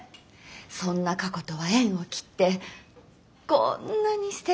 そんな過去とは縁を切ってこんなにすてきなお店を。